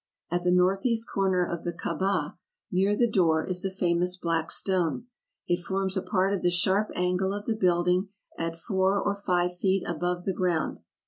At the northeast corner of the Kaaba, near the door, is the famous Black Stone ; it forms a part of the sharp angle of the building at four or five feet above the ground.